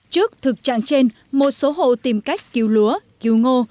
trước thực trạng trên một số hộ tìm cách cứu lúa cứu ngô